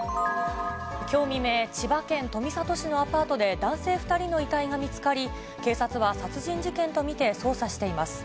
きょう未明、千葉県富里市のアパートで男性２人の遺体が見つかり、警察は殺人事件と見て捜査しています。